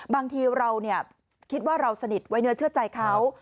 บางทีเราคิดว่าเราสนิทไว้เนื้อเชื่อใจเขา